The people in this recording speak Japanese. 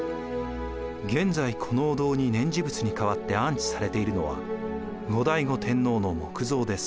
現在このお堂に念持仏に代わって安置されているのは後醍醐天皇の木像です。